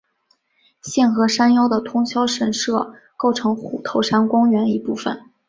现和山腰的通霄神社构成虎头山公园一部分。